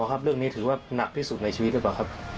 ครับเรื่องนี้ถือว่าหนักที่สุดในชีวิตหรือเปล่าครับ